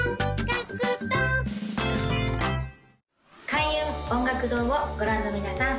開運音楽堂をご覧の皆さん